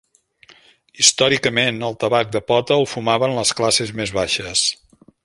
Històricament, el tabac de pota el fumaven les classes més baixes.